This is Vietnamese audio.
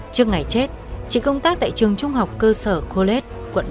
trước ngày chết chị công tác tại trường trung học cơ sở coles